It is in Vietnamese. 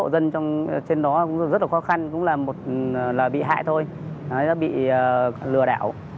dân trên đó cũng rất là khó khăn cũng là bị hại thôi bị lừa đảo